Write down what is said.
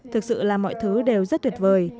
thực sự là mọi thứ đều rất tuyệt vời